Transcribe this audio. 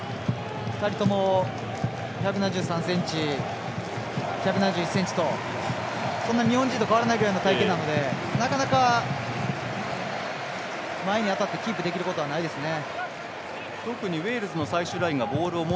２人とも１７３ｃｍ１７１ｃｍとそんなに日本人と変わらない体形ですのでなかなか、前に当たってキープできることはないですね。